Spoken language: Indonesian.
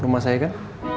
rumah saya kan